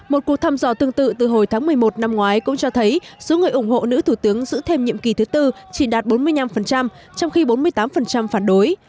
một cuộc thăm dò tương tự từ hồi tháng một mươi một năm ngoái cũng cho thấy số người ủng hộ nữ thủ tướng giữ thêm nhiệm kỳ thứ tư chỉ đạt bốn mươi năm trong khi bốn mươi tám phản đối